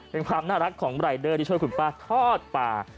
เป็นความน่ารักของรายเดอร์ที่ช่วยคุณป้าทอดปลา